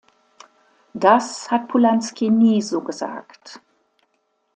Das hat Polanski nie so gesagt.